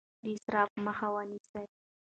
د اسراف مخه ونیسئ.